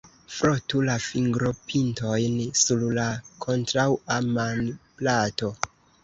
Frotu la fingropintojn sur la kontraŭa manplato.